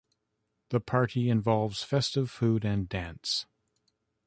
The party involves festive food and dance.